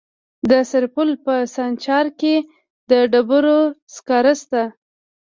د سرپل په سانچارک کې د ډبرو سکاره شته.